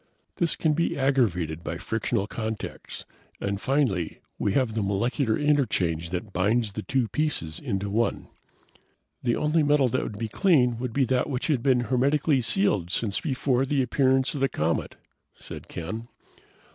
"This can be aggravated by frictional contacts, and finally we have the molecular interchange that binds the two pieces into one." "The only metal that would be clean would be that which had been hermetically sealed since before the appearance of the comet," said Ken.